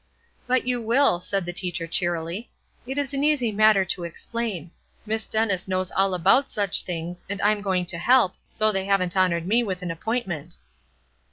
"But you will," said his teacher, cheerily. "It is an easy matter to explain; Miss Dennis knows all about such things; and I'm going to help, though they haven't honored me with an appointment."